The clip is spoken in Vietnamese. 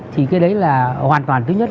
thì cái đấy là hoàn toàn thứ nhất